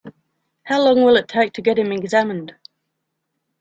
How long will it take to get him examined?